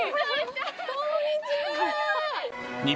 こんにちは！